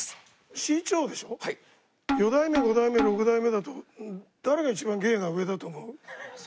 四代目五代目六代目だと誰が一番芸が上だと思う？